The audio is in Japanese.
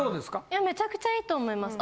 いやめちゃくちゃいいと思います。